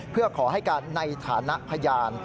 เพื่อขอให้การในฐานะพยาน